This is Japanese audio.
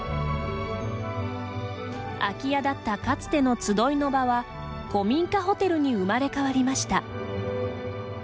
空き家だったかつての集いの場は古民家ホテルに生まれ変わりました。